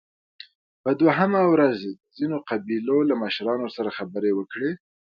په دوهمه ورځ يې د ځينو قبيلو له مشرانو سره خبرې وکړې